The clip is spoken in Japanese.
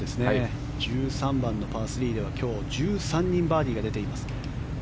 １３番のパー３では今日、１３人バーディーが出ています。